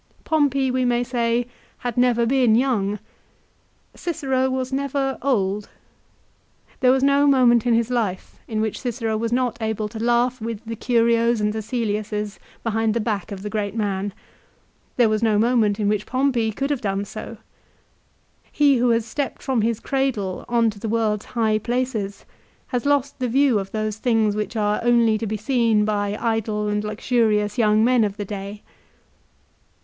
Pompey we may say had never been young. Cicero was never old. There was no moment in his life in which Cicero was not able to laugh with the Curios and the Cseliuses behind the back of the great man. There was no moment in which Pompey could have done so. He who has stepped from his cradle on to the world's high places has lost the view of those things which are only to be seen by idle and luxurious young men of the day.